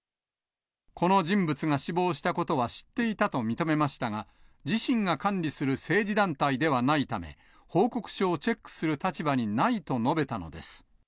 この人物が死亡したことは知っていたと認めましたが、自身が管理する政治団体ではないため、報告書をチェックする立場にないと述べたのです。